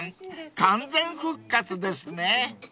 完全復活ですね］